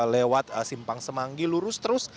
lewat simpang semanggi lurus terus